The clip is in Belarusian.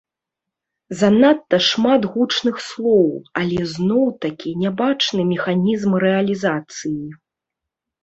Занадта шмат гучных слоў, але зноў-такі не бачны механізм рэалізацыі.